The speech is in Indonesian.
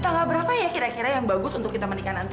tanggal berapa ya kira kira yang bagus untuk kita menikah nanti